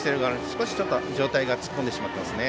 少し上体が突っ込んでしまってますね。